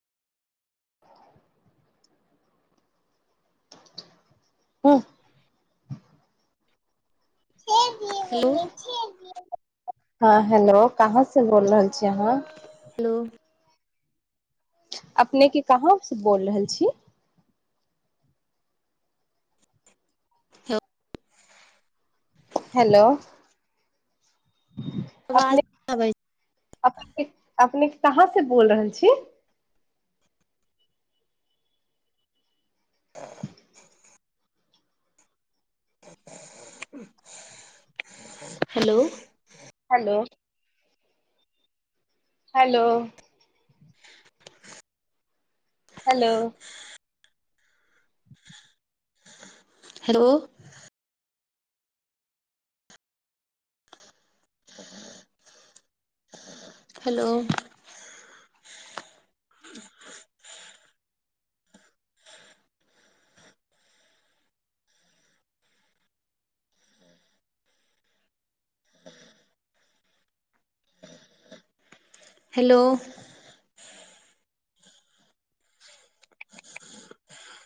हँ हेलो हँ हेलो कहाँ से बोल रहल छी अहाँ हेलो अपनेके कहाँ से बोल रहल छी हेलो आवाज अपने आबै छै अपने अपने कहाँ से बोल रहल छी आ hello hello hello hello hello hello [inaudible] hello